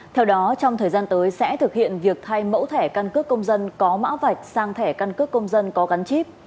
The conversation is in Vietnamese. theo đó trong thời gian tới sẽ thực hiện việc thay mẫu thẻ căn cước công dân có mã vạch sang thẻ căn cước công dân có gắn chip